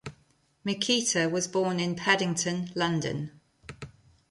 Miquita was born in Paddington, London.